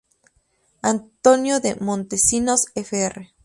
Antonio de Montesinos, Fr.